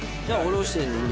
じゃあ下ろしてる。